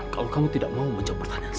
kalau kamu tidak mau menjawab pertanyaan saya